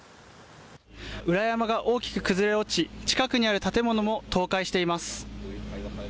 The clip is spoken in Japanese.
裏山が大きく崩れ落ち近くにある建物も倒壊しています。